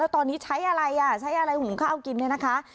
ตอนนี้ใช้อะไรใช้อะไรหุงข้าวกินเนี่ยนะคะ